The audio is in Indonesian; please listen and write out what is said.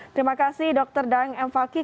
terima kasih dokter dang m fakih